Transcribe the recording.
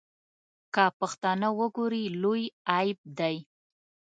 که پښتانه وګوري لوی عیب دی.